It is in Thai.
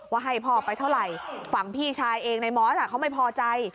ให้พ่อไปเท่าไหร่ฝั่งพี่ชายเองในมอสเขาไม่พอใจ